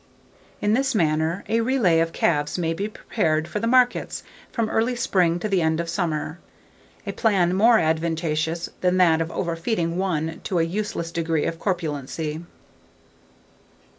In this manner a relay of calves may be prepared for the markets from early spring to the end of summer, a plan more advantageous than that of overfeeding one to a useless degree of corpulency.